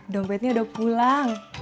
dompetnya udah pulang